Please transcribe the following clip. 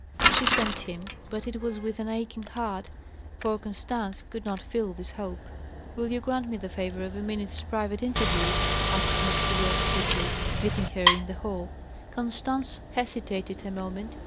She thanked him, but it was with an aching heart, for Constance could not feel this hope. "Will you grant me the favour of a minute's private interview?" asked Mr. Yorke stiffly, meeting her in the hall. Constance hesitated a moment.